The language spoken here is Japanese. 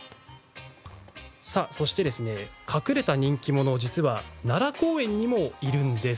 そして隠れた人気者、実は奈良公園にもいるんです。